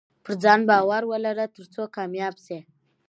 پرځان باور ولره ترڅو کامياب سې